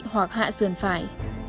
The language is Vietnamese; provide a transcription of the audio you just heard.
hoặc hạ sườn phải